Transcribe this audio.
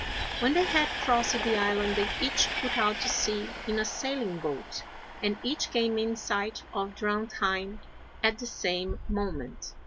When they had crossed the island they each put out to sea in a sailing boat, and each came in sight of Drontheim at the same moment.